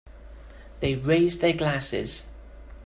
They raise their glasses.